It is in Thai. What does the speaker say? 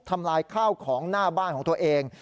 ทำลายข้าวของหน้าบ้านของตัวเอง